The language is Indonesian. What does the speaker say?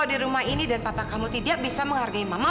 semoga berhenti malam keepsake you kap marcel